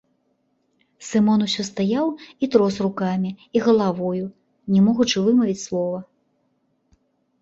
Сымон усё стаяў і трос рукамі і галавою, не могучы вымавіць слова.